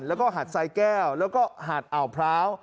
แล้วก็หาดทรายแก้วแล้วก็หาดอ่าวพร้าว